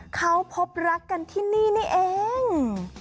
เขาพบรักกันที่นี่นี่เอง